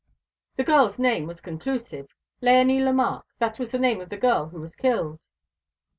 "The girl's name was conclusive Léonie Lemarque: that was the name of the girl who was killed."